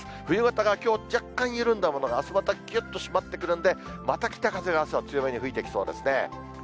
冬型がきょう、若干緩んだものがあすまたぎゅっと締まってくるので、また北風があすは強めに吹いてきそうですね。